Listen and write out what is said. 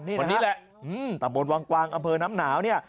นี่แหละตำบลวางกวางอำเภินน้ำหนาวเนี่ย